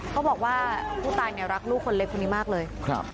เขาบอกว่าผู้ตายเนี่ยรักลูกคนเล็กคนนี้มากเลย